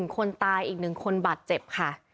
คนตายอีก๑คนบาดเจ็บค่ะ